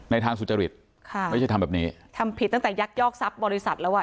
ทางสุจริตค่ะไม่ใช่ทำแบบนี้ทำผิดตั้งแต่ยักยอกทรัพย์บริษัทแล้วอ่ะ